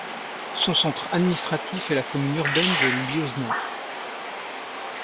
Son centre administratif est la commune urbaine de Liozna.